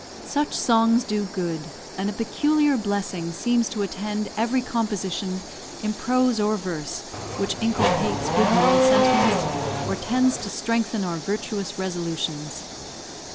Such songs do good; and a peculiar blessing seems to attend every composition, in prose or verse, which inculcates good moral sentiments, or tends to strengthen our virtuous resolutions.